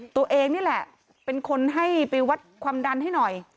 ตัวเองนี่แหละเป็นคนให้ไปวัดความดันให้หน่อย